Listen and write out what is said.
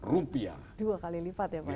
rupiah dua kali lipat ya pak